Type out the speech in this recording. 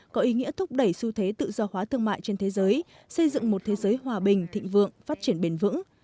có ý nghĩa thúc đẩy xu thế tự do hóa thương mại trên thế giới xây dựng một thế giới hòa bình thịnh vượng phát triển bền vững